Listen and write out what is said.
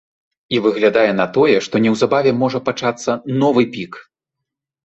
І выглядае на тое, што неўзабаве можа пачацца новы пік.